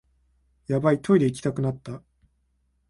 ヤバい、トイレ行きたくなった